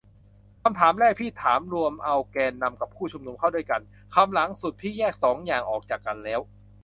คำถามแรกพี่ถามรวมเอาแกนนำกับผู้ชุมนุมเข้าด้วยกัน คำหลังสุด พี่แยกสองอย่างออกจากกันแล้ว